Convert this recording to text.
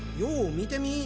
見てみ！